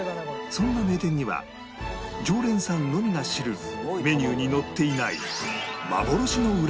そんな名店には常連さんのみが知るメニューに載っていない幻の裏メニューがあるという